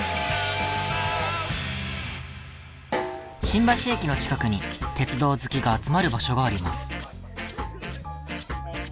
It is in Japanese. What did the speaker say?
新橋駅の近くに鉄道好きが集まる場所があります。